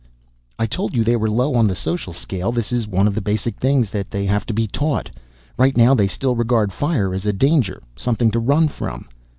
"I told you they were low on the social scale. This is one of the basic things they have to be taught. Right now they still regard fire as a danger, something to run from."